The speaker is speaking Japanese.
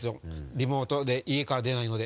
リモートで家から出ないので。